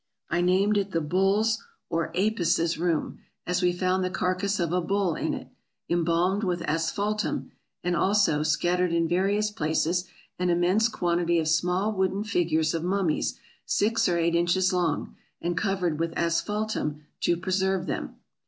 I named it the Bull's or Apis's AFRICA 365 Room, as we found the carcass of a bull in it, embalmed with asphaltum; and also, scattered in various places, an immense quantity of small wooden figures of mummies six or eight inches long, and covered with asphaltum to pre serve them.